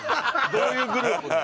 どういうグループ。